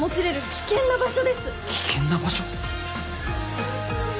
危険な場所？